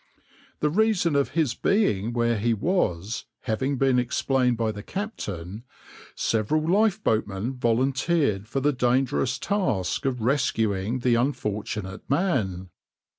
The reason of his being where he was having been explained by the captain, several lifeboatmen volunteered for the dangerous task of rescuing the unfortunate man.